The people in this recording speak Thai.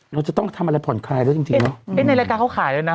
เราจะต้องทำอะไรผ่อนคลายแล้วจริงจริงเนอะเอ๊ะในรายการเขาขายแล้วนะ